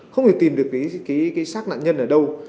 không thể tìm được sát nạn nhân ở đâu